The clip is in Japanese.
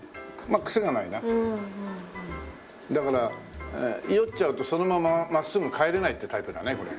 だから酔っちゃうとそのまま真っすぐ帰れないっていうタイプだねこれ。